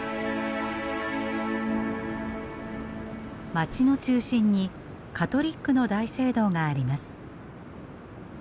街の中心にカトリックの大聖堂があります。